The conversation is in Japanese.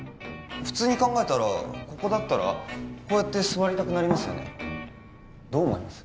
普通に考えたらここだったらこうやって座りたくなりますよねどう思います？